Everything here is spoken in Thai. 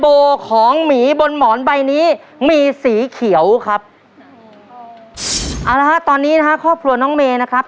โบของหมีบนหมอนใบนี้มีสีเขียวครับเอาละฮะตอนนี้นะฮะครอบครัวน้องเมย์นะครับ